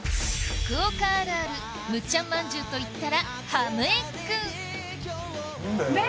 福岡あるあるむっちゃん万十といったらハムエッグ！